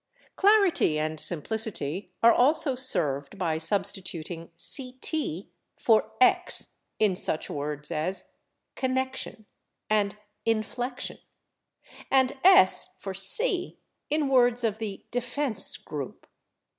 Clarity and simplicity are also served by substituting /ct/ for /x/ in such words as /connection/ and /inflection/, and /s/ for /c/ in words of the /defense/ group.